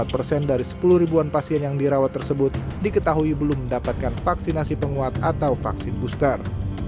empat persen dari sepuluh ribuan pasien yang dirawat tersebut diketahui belum mendapatkan vaksinasi penguat atau vaksin booster